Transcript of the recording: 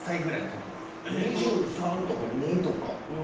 ２３とか２２とか。